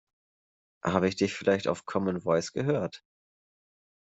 Habe ich dich vielleicht auf Common Voice gehört?